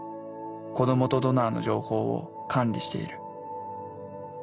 子どもとドナーの情報を管理している。